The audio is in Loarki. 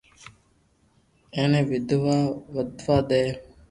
ايني واڌوا دي